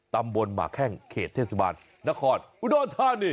ตำบลมาแค่เขตเทศบาลนครอุดอธานิ